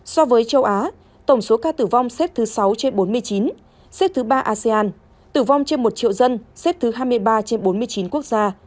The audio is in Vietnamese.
so với châu á tổng số ca tử vong xếp thứ sáu trên bốn mươi chín xếp thứ ba asean tử vong trên một triệu dân xếp thứ hai mươi ba trên bốn mươi chín quốc gia